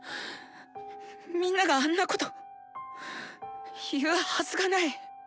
みんながあんなこと言うはずがない。